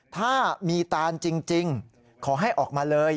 ถ้ามีตานจริงขอให้ออกมาเลย